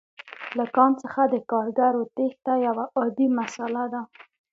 له کان څخه د کارګرو تېښته یوه عادي مسئله ده